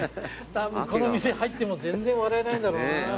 たぶんこの店入っても全然笑えないんだろうな。